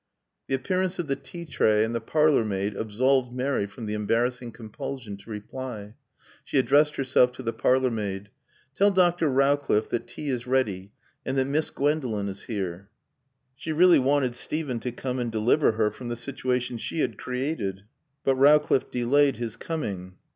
The appearance of the tea tray and the parlormaid absolved Mary from the embarrassing compulsion to reply. She addressed herself to the parlormaid. "Tell Dr. Rowcliffe that tea is ready and that Miss Gwendolen is here." She really wanted Steven to come and deliver her from the situation she had created. But Rowcliffe delayed his coming.